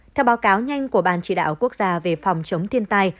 theo báo cáo nhanh của ban chỉ đạo quốc gia về phòng chống thiên tai